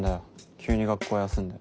急に学校休んで。